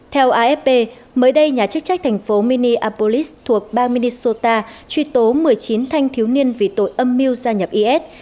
theo afp mới đây nhà chức trách thành phố minneapolis thuộc bang minnesota truy tố một mươi chín thanh thiếu niên vì tội âm mưu gia nhập is